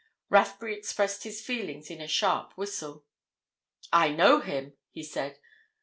Rathbury expressed his feelings in a sharp whistle. "I know him!" he said.